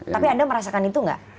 tapi anda merasakan itu nggak